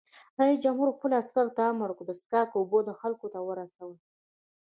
رئیس جمهور خپلو عسکرو ته امر وکړ؛ د څښاک اوبه خلکو ته ورسوئ!